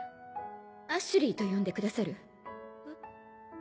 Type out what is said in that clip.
アシュリーと呼んでくださる？え？